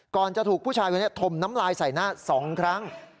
จะถูกผู้ชายคนนี้ถมน้ำลายใส่หน้า๒ครั้ง